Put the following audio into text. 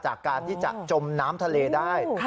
จากการที่จะจมน้ำทะเลได้